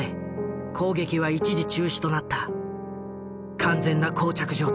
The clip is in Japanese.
完全な膠着状態。